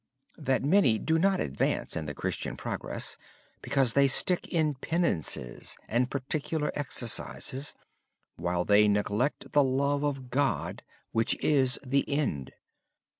Brother Lawrence said that many do not advance in the Christian progress because they stick in penances and particular exercises while they neglect the love of God which is the end.